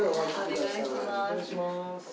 お願いします